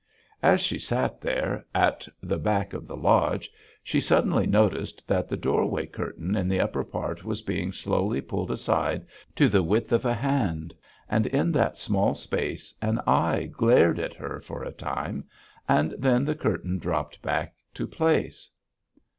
As she sat there at the back of the lodge, she suddenly noticed that the doorway curtain in the upper part was being slowly pulled aside to the width of a hand, and in that small space an eye glared at her for a time, and then the curtain dropped back to place.